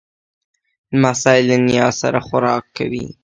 لمسی له نیا سره خوراک کوي.